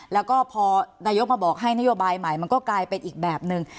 แล้วก็พอนายกมาบอกให้นโยบายใหม่มันก็กลายเป็นอีกแบบหนึ่ง